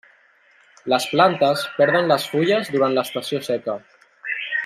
Les plantes perden les fulles durant l'estació seca.